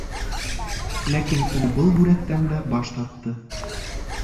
Ләкин ул был һүрәттән дә баш тартты: